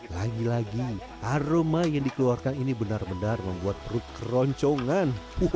lagi lagi aroma yang dikeluarkan ini benar benar membuat perut keroncongan